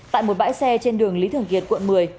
tại một bãi xe trên đường lý thường kiệt quận một mươi